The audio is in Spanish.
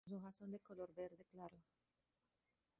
Sus hojas son de color verde claro.